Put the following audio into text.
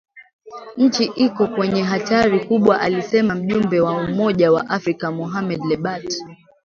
nchi iko kwenye hatari kubwa alisema mjumbe wa Umoja wa Afrika Mohamed Lebatt